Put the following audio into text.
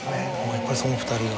やっぱりその２人が。